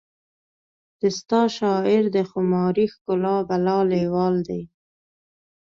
د ستا شاعر د خماري ښکلا بلا لیوال دی